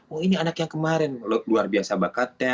oh ini anak yang kemarin luar biasa bakatnya